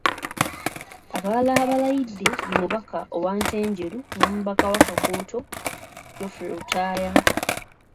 Abalala abalayidde ye mubaka owa Ntenjeru n’omubaka wa Kakuuto, Geofrey Lutaaya.